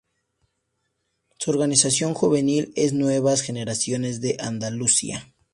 Su organización juvenil es Nuevas Generaciones de Andalucía.